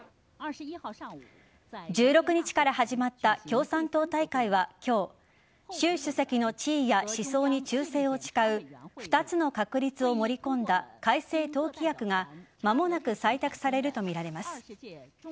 １６日から始まった共産党大会は今日習主席の地位や思想に忠誠を誓う２つの確立を盛り込んだ改正党規約が間もなく採択されるとみられます。